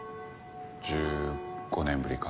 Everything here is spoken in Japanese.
１５年ぶりか。